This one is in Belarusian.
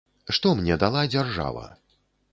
Што мне дала дзяржава?